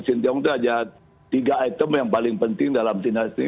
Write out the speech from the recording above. sintiung itu ada tiga item yang paling penting dalam timnas ini